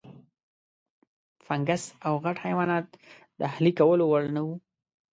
فنګس او غټ حیوانات د اهلي کولو وړ نه وو.